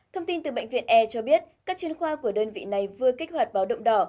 thông tin từ bệnh viện e cho biết các chuyên khoa của đơn vị này vừa kích hoạt báo động đỏ